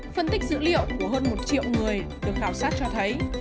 phân tích dữ liệu của hơn một triệu người được khảo sát cho thấy